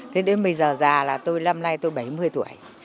thế đến bây giờ già là tôi năm nay tôi bảy mươi tuổi